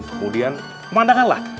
kemudian pemandangan lah